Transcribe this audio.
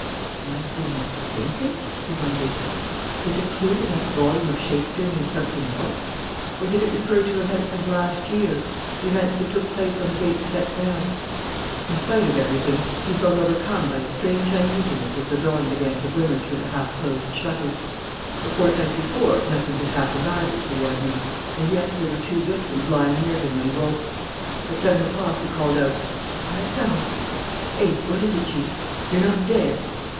"Can I have been mistaken?" he wondered. "Did the clue in that volume of Shakespeare mean something else? Or did it refer to events of last year, events that took place on the dates set down?" In spite of everything, he felt overcome by a strange uneasiness as the dawn began to glimmer through the half closed shutters. A fortnight before, nothing had happened either to warn him; and yet there were two victims lying near him when he woke. At seven o'clock he called out: "Alexandre!" "Eh? What is it, Chief?" "You're not dead?"